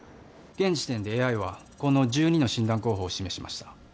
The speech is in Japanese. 現時点でＡＩはこの１２の診断候補を示しました。